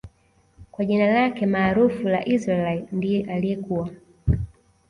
kwa jina lake maarufu la Israaiyl ndiye aliyekuwa